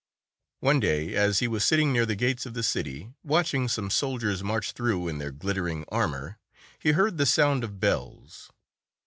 One day, as he was sitting near the gates of the city, watching some soldiers march through in their glittering armor, he heard the sound of bells.